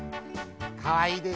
かわいいでしょ？